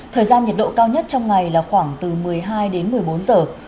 thời gian nhiệt độ cao nhất trong ngày là khoảng từ một mươi hai đến một mươi bốn giờ